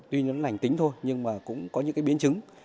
tuy nhiên lành tính thôi nhưng cũng có những biến chứng